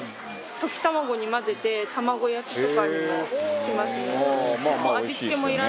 溶き卵に混ぜて卵焼きとかにもしますね。